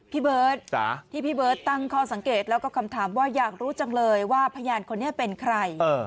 พี่เบิร์ตที่พี่เบิร์ตตั้งข้อสังเกตแล้วก็คำถามว่าอยากรู้จังเลยว่าพยานคนนี้เป็นใคร